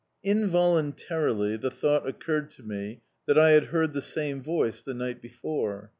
Involuntarily the thought occurred to me that I had heard the same voice the night before.